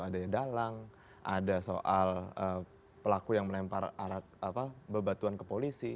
ada yang dalang ada soal pelaku yang melempar arat apa bebatuan ke polisi